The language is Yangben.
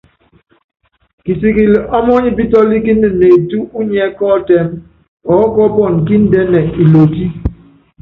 Kisikili ɔmɔ́nipítɔ́líkíni neetú unyiɛ́ kɔ́ɔtɛ́m, ɔɔ́kɔɔ́pɔnɔ kíndɛ́nɛ ilotí.